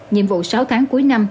nhiệm vụ sáu tháng cuối năm